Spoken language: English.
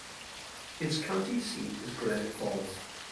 Its county seat is Granite Falls.